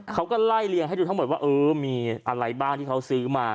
เขาก็ไล่เลียงให้ดูทั้งหมดว่าเออมีอะไรบ้างที่เขาซื้อมา